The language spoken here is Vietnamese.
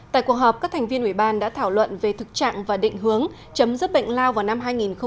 tại cuộc họp các thành viên ủy ban đã thảo luận về thực trạng và định hướng chấm dứt bệnh lao vào năm hai nghìn ba mươi